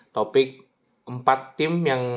topik empat tim yang